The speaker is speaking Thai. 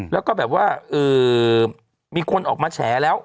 แล้วก็แบบว่ามีคนออกมาแฉแล้ว